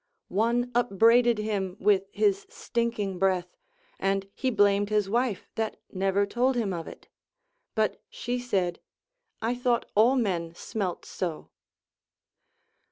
One upbraided him with his stinking breath, and he blamed his wife that never told him of it ; but she said, I thought all men smelt so.